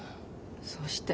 そうして。